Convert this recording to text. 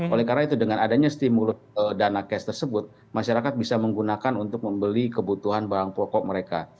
oleh karena itu dengan adanya stimulus dana cash tersebut masyarakat bisa menggunakan untuk membeli kebutuhan barang pokok mereka